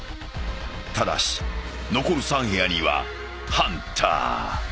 ［ただし残る３部屋にはハンター］